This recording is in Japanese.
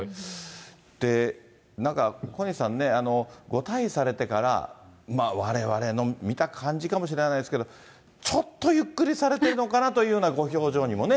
で、なんか、小西さんね、ご退位されてから、われわれの見た感じかもしれないですけど、ちょっとゆっくりされてるのかなというご表情にもね。